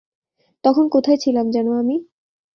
তখন কোথায় ছিলাম যেন আমি?